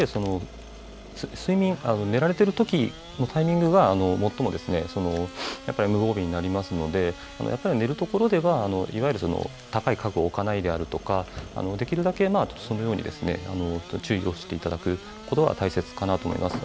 寝ているときのタイミングが最も無防備になりますので寝るところではいわゆる高い家具を置かないであるとかできるだけそのように注意をしていただくことが大切かなと思います。